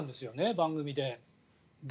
番組で。